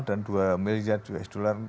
dan dua miliar usd